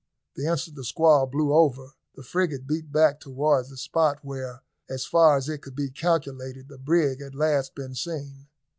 The instant the squall blew over, the frigate beat back towards the spot where, as far as it could be calculated, the brig had last been seen.